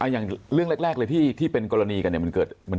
อย่างเรื่องแรกเลยที่เป็นกรณีกันมันเกิดไหม